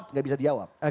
nggak bisa dijawab